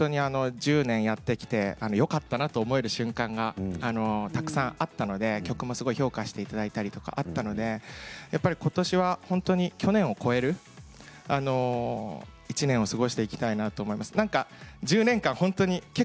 今年は、今年というか去年は本当に１０年やってきてよかったなと思える瞬間がたくさんあったので曲もすごく評価していただいたりとかあったので今年は本当に、去年を超える１年を過ごしていきたいなと思っています。